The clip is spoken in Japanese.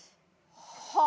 はあ？